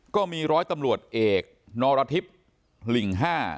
ก็มีร้อยตำรวจเอกนรฤทธิบลิ่งห้า